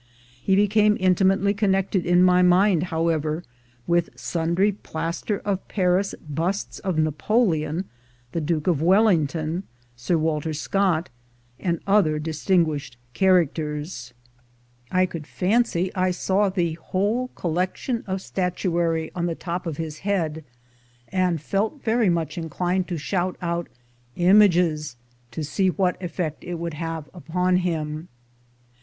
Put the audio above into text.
He became intimately connected in my mind, however, with sundry plaster of Paris busts of Napoleon, the Duke of Wellington, Sir Walter Scott, and other distin guished characters. I could fancy I saw the whole 244 THE GOLD HUNTERS collection of statuary on the top of his head, and felt very much inclined to shout out "Images!" to see what effect it would have upon him.